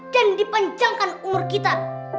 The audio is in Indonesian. dan dipanjangkan umur kita